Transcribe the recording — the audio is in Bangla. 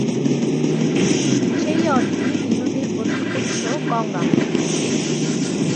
সেই অর্থে এ নদীর প্রধান উৎস গঙ্গা।